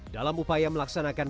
dalam upaya melaksanakan